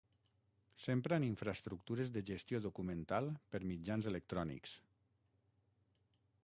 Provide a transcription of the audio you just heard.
S'empra en infraestructures de gestió documental per mitjans electrònics.